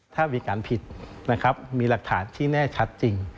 ถ้ามีการผิดนะครับมีหลักฐานที่แน่ชัดจริง